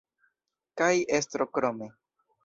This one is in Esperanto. Kaj estro krome.